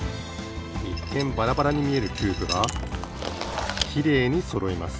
いっけんバラバラにみえるキューブがきれいにそろいます。